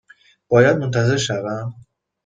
باید منتظر شوم؟